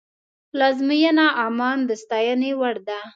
پلازمینه عمان د ستاینې وړ ده.